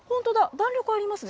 弾力ありますね。